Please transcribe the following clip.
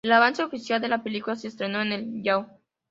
El avance oficial de la película se estrenó en el Yahoo!